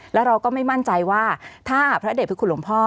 แล้วเราก็ไม่มั่นใจว่าถ้าพระเด็จคือคุณหลวงพ่อ